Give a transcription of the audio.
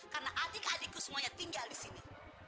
karena adik adikku semuanya tinggal disini